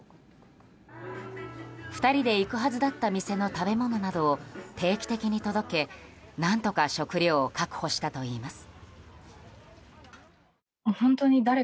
２人で行くはずだった店の食べ物などを定期的に届け何とか食料を確保したといいます。